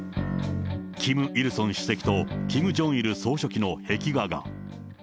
キム・イルソン主席とキム・ジョンイル総書記の壁画が。